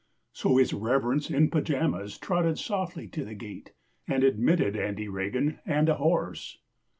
So his Rev'rence in pyjamas trotted softly to the gate And admitted Andy Regan and a horse!